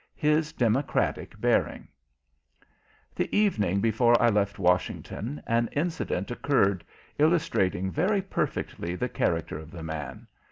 '" HIS DEMOCRATIC BEARING The evening before I left Washington an incident occurred, illustrating very perfectly the character of the man.